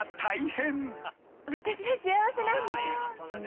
「私は幸せなんです」